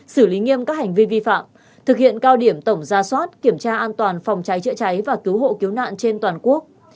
xử lý nghiêm các hành vi vi phạm thực hiện cao điểm tổng ra soát kiểm tra an toàn phòng cháy chữa cháy và cứu hộ cứu nạn trên toàn quốc